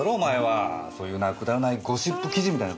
そういうくだらないゴシップ記事みたいな事言うんじゃないよ。